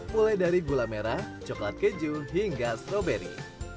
mulai dari gula merah coklat keju hingga stroberi